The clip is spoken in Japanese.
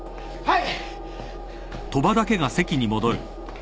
はい！